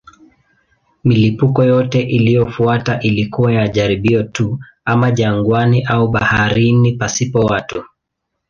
Milipuko yote iliyofuata ilikuwa ya jaribio tu, ama jangwani au baharini pasipo watu.